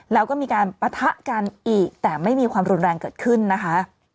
แล้วก็มีการปะทะกันอีกแต่ไม่มีความรุนแรงเกิดขึ้นนะคะ